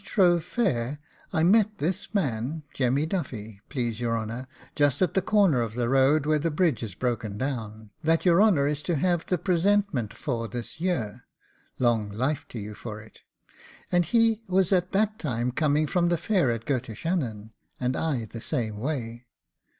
Last Shrove fair I met this man, Jemmy Duffy, please your honour, just at the corner of the road, where the bridge is broken down, that your honour is to have the presentment for this year long life to you for it! And he was at that time coming from the fair of Gurtishannon, and I the same way.